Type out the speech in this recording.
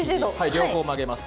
両方曲げます。